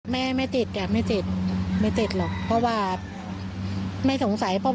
ไม่ไม่ติดอ่ะไม่ติดไม่ติดหรอกเพราะว่าไม่สงสัยเพราะ